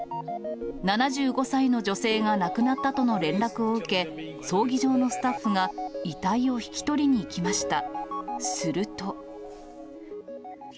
７５歳の女性が亡くなったとの連絡を受け、葬儀場のスタッフが遺体を引き取りに行きました。